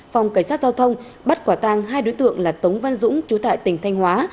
phòng cảnh sát giao thông bắt quả tàng hai đối tượng là tống văn dũng chú tại tỉnh thanh hóa